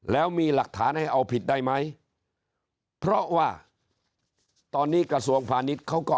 แล้วมีหลักฐานให้เอาผิดได้ไหมเพราะว่าตอนนี้กระทรวงพาณิชย์เขาก็